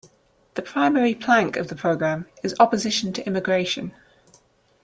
The primary plank of the program is opposition to immigration.